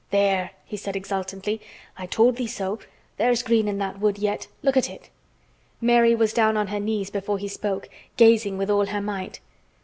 "There!" he said exultantly. "I told thee so. There's green in that wood yet. Look at it." Mary was down on her knees before he spoke, gazing with all her might.